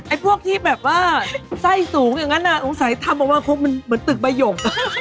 พวกที่แบบว่าไส้สูงอย่างนั้นสงสัยทำออกมาครบมันเหมือนตึกใบหยก